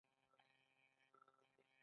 هغه هغې ته د محبوب آرمان ګلان ډالۍ هم کړل.